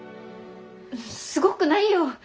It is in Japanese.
すごくないよ。